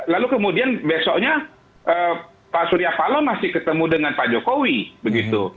lalu kemudian besoknya pak surya paloh masih ketemu dengan pak jokowi begitu